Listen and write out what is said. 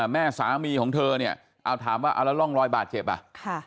แม่สามีของเธอถามว่าเอาแล้วร่องรอยบาทเจ็บหรือ